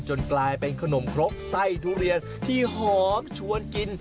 กลายเป็นขนมครกไส้ทุเรียนที่หอมชวนกิน